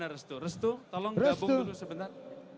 restu restu tolong gabung dulu sebentar